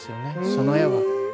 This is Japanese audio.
その絵は。